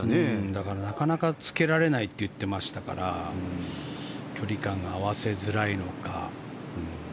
だから、なかなかつけられないって言っていましたから距離感が合わせづらいのか。